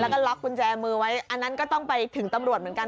แล้วก็ล็อกกุญแจมือไว้อันนั้นก็ต้องไปถึงตำรวจเหมือนกัน